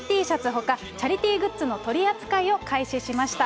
ほかチャリティーグッズの取り扱いを開始しました。